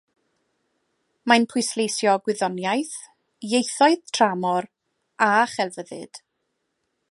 Mae'n pwysleisio gwyddoniaeth, ieithoedd tramor, a chelfyddyd.